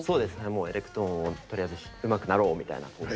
もうエレクトーンをとりあえずうまくなろうみたいなコース。